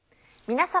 皆様。